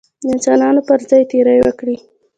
د انسانانو پر ځان تېری وکړي.